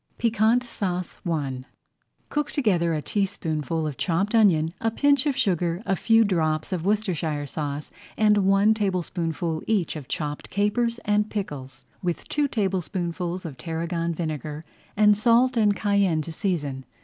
PIQUANT SAUCE I Cook together a teaspoonful of chopped onion, a pinch of sugar, a few drops of Worcestershire sauce, and one tablespoonful each [Page 34] of chopped capers and pickles, with two tablespoonfuls of tarragon vinegar, and salt and cayenne to season.